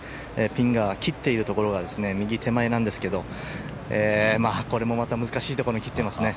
ピンが切っているところが右手前なんですけどこれもまた難しいところに切ってますね。